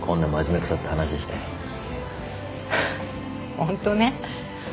ホントね。